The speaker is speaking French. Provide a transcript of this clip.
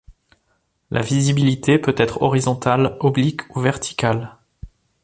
La visibilité peut être horizontale, oblique ou verticale.